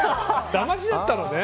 だましだったのね？